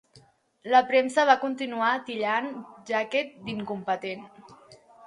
La premsa va continuar titllant Jacquet d'incompetent.